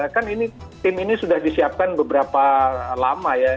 kan ini tim ini sudah disiapkan beberapa lama ya